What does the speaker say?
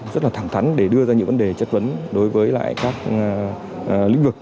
rất là thẳng thắn để đưa ra những vấn đề chất vấn đối với lại các lĩnh vực